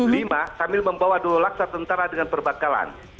lima sambil membawa dua laksa tentara dengan perbakalan